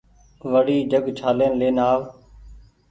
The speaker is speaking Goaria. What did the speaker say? وڙي جگ ڇآلين لين آو